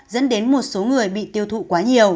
dẫn đến một số người bị tiêu thụ quá nhiều